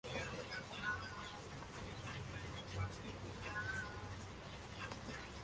Luego de conocer a Manami, Mika se vuelve muy apegada a ella.